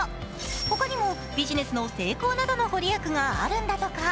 他にもビジネスの成功などの御利益があるんだとか。